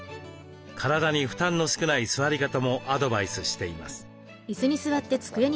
体に負担の少ない座り方もアドバイスしています。